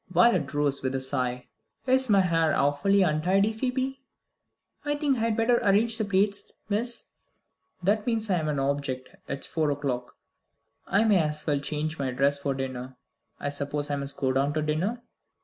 Violet rose with a sigh. "Is my hair awfully untidy, Phoebe?" "I think I had better arrange the plaits, miss." "That means that I'm an object. It's four o'clock; I may as well change my dress for dinner. I suppose I must go down to dinner?"